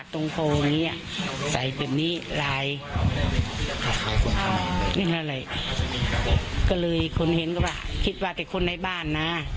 ทีนี้คอเห็นว่าคิดว่าแต่คนในบ้านนะ